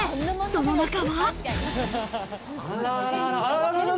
その中は。